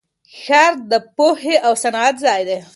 ښار د پوهې او صنعت ځای دی.